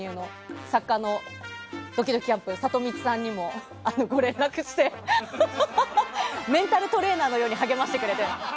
作家のどきどきキャンプのサトミツさんにもご連絡をしてメンタルトレーナーのように励ましてくれて。